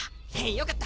よかった。